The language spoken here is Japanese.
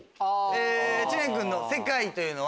知念君の「セカイ」というのは？